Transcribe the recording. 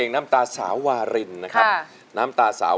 ทุกคนนี้ก็ส่งเสียงเชียร์ทางบ้านก็เชียร์